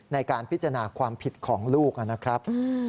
ในการพิจารณาความผิดของลูกนะครับ